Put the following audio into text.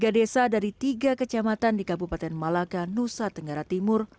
tiga desa dari tiga kecamatan di kabupaten malaka nusa tenggara timur